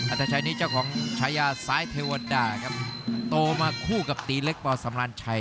อัตภัยนี้เจ้าของชายาสายเทวดาโตมาคู่กับตีเล็กป่าวสำราญชัย